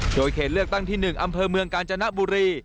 โดยเขตเลือกตั้งที่๑อำเภอเมืองกาญจนบุรี